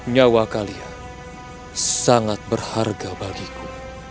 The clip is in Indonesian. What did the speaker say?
nyawa kalian sangat berharga bagiku